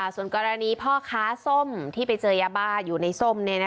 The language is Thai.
ส่วนกรณีพ่อค้าส้มที่ไปเจอยาบ้าอยู่ในส้ม